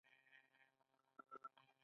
ایا زه باید خاوند شم؟